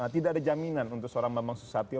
tidak ada jaminan untuk seorang bamsud satyo